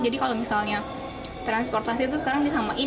jadi kalau misalnya transportasi itu sekarang disamakan